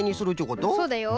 そうだよ。